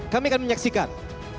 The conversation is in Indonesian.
kami akan menyaksikan